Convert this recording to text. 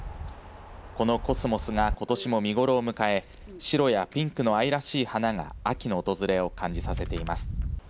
このコスモスがことしも見頃を迎え白やピンクの愛らしい花が秋の訪れを感じさせています。